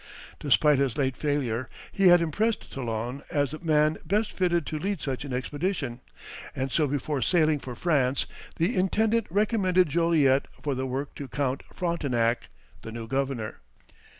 Despite his late failure he had impressed Talon as the man best fitted to lead such an expedition, and so before sailing for France the Intendant recommended Joliet for the work to Count Frontenac, the new Governor.